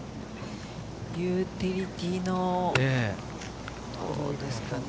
ユーティリティーのどうですかね